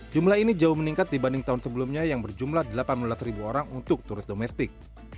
jumlah ini jauh meningkat dibanding tahun sebelumnya yang berjumlah delapan belas orang untuk turis domestik